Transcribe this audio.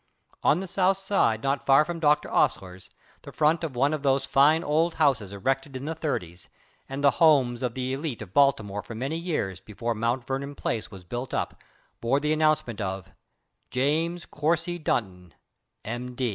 On the south side not far from Dr. Osler's, the front of one of those fine old houses erected in the thirties, and the homes of the elite of Baltimore for many years before Mount Vernon place was built up, bore the announcement of: _____________________________||| JAMES COURSEY DUNTON, M.